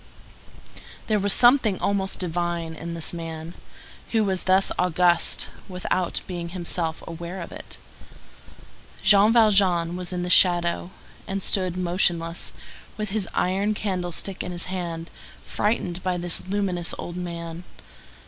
There was something almost divine in this man, who was thus august, without being himself aware of it. Jean Valjean was in the shadow, and stood motionless, with his iron candlestick in his hand, frightened by this luminous old man.